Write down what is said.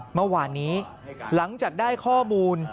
เมื่อวานนี้หลังจากได้ข้อมูล